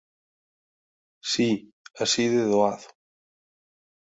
Si. Así de doado.